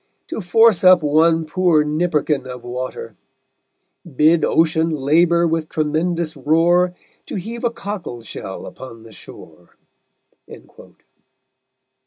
To force up one poor nipperkin of water; Bid ocean labour with tremendous roar To heave a cockle shell upon the shore_.